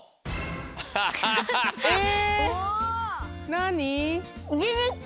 なに？